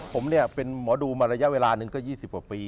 ผมเนี่ยเป็นหมอดูมาระยะเวลาหนึ่งก็๒๐กว่าปี